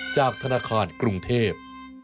จากธนาคารกรุงเทพ